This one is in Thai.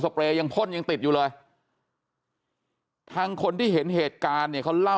เปรย์ยังพ่นยังติดอยู่เลยทางคนที่เห็นเหตุการณ์เนี่ยเขาเล่า